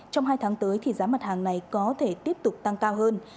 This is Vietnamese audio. trong hai tháng tới giá mặt hàng này có thể tiếp tục tăng cao hơn